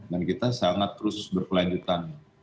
dan kita sangat terus berkelanjutan